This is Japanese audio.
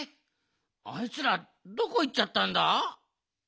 あいつらどこいっちゃったんだ？